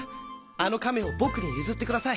あの亀を僕に譲ってください！